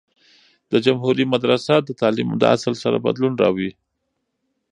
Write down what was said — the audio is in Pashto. د جمهوری مدرسه د تعلیم د اصل سره بدلون راووي.